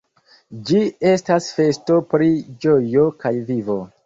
Ĝi estas festo pri ĝojo kaj vivo.